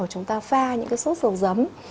hoặc chúng ta pha những sốt dầu dấm